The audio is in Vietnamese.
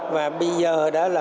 bây giờ mình đuối